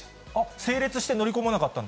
整列して乗り込まなかったん